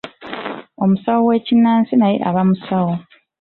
Omusawo w'ekinnansi naye aba musawo?